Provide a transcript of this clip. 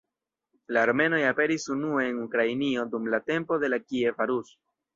La armenoj aperis unue en Ukrainio dum la tempo de la Kieva Rus.